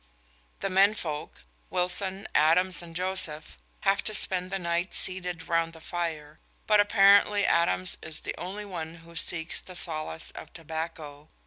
The menfolk Wilson, Adams and Joseph have to spend the night seated round the fire, but apparently Adams is the only one who seeks the solace of tobacco.